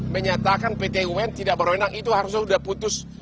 menyatakan pt un tidak berwenang itu harusnya sudah putus